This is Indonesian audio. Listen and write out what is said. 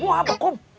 buah apa kum